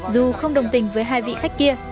dù không đồng tình với hai vị khách kia